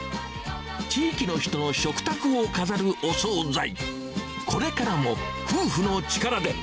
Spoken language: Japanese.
地域の人の食卓を飾るお総菜。